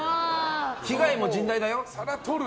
被害も甚大だよ。